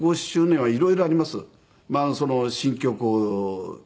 はい。